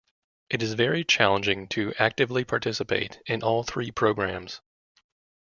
It is very challenging to actively participate in all three programs.